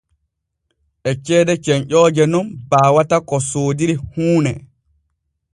E ceede cenƴooje nun baawata ko soodiri huune.